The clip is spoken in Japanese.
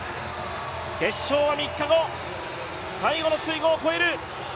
決勝は３日後、最後の水濠を越える。